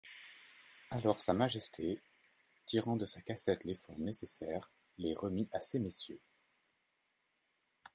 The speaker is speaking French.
Alors Sa Majesté, tirant de sa cassette les fonds nécessaires, les remit à ces messieurs.